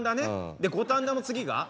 で五反田の次が？